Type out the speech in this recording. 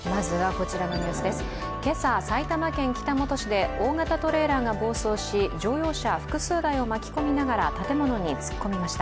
今朝、埼玉県北本市で大型トレーラーが暴走し、乗用車複数台を巻き込みながら建物に突っ込みました。